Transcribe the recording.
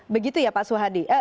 begitu ya pak suhadi